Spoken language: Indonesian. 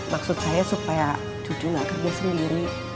maksud saya supaya cucu gak kerja sendiri